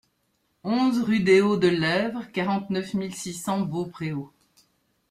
onze rue des Hauts de l'Êvre, quarante-neuf mille six cents Beaupréau